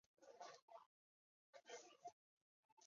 圣西吉斯蒙人口变化图示